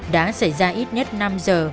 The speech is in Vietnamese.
đã xảy ra ít nhất năm giờ